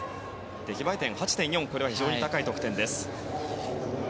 出来栄え点８．４は非常に高い得点。